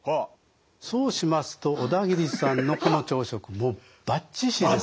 そうしますと小田切さんのこの朝食もうバッチシです。